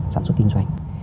sản xuất kinh doanh